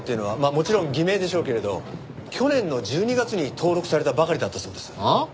もちろん偽名でしょうけれど去年の１２月に登録されたばかりだったそうです。ん？